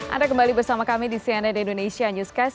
anda kembali bersama kami di cnn indonesia newscast